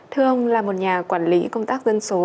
thưa ông là một nhà quản lý công tác dân số